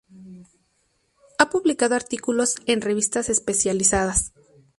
Ha publicado artículos en revistas especializadas.